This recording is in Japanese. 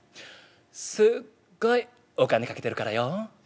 すっごいお金かけてるからよ」。